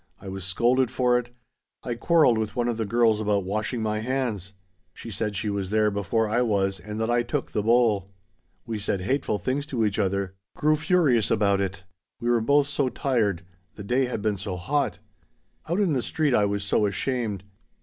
I was scolded for it. I quarreled with one of the girls about washing my hands! She said she was there before I was and that I took the bowl. We said hateful things to each other, grew furious about it. We were both so tired the day had been so hot "Out on the street I was so ashamed.